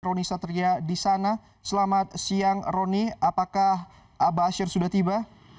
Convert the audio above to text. roni satria di sana selamat siang roni apakah aba asyir ⁇ sudah tiba